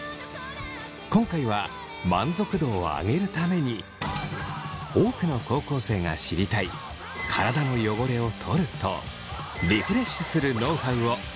今回は満足度をあげるために多くの高校生が知りたい「体の汚れをとる」と「リフレッシュする」ノウハウを紹介します。